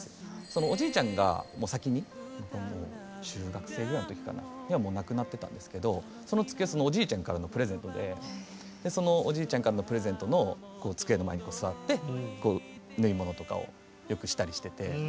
そのおじいちゃんが先に中学生ぐらいの時かなもう亡くなってたんですけどその机そのおじいちゃんからのプレゼントでそのおじいちゃんからのプレゼントの机の前にこう座って縫い物とかをよくしたりしてて。